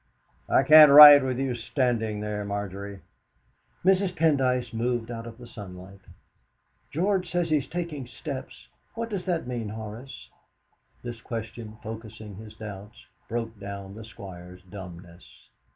"I can't write with you standing there, Margery!" Mrs. Pendyce moved out of the sunlight. "George says he is taking steps. What does that mean, Horace?" This question, focusing his doubts, broke down the Squire's dumbness.